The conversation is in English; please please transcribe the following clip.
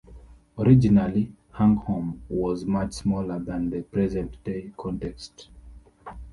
Originally, Hung Hom was much smaller than the present-day context.